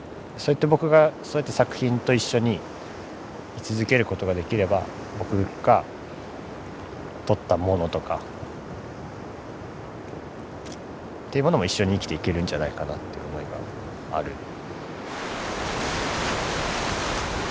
そうやって僕がそうやって作品と一緒に居続けることができれば僕が撮ったものとかっていうものも一緒に生きていけるんじゃないかなっていう思いがある。